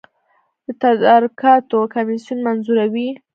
د تدارکاتو کمیسیون منظوروي